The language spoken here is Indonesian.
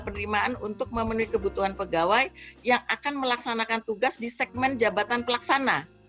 penerimaan untuk memenuhi kebutuhan pegawai yang akan melaksanakan tugas di segmen jabatan pelaksana